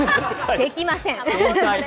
できません。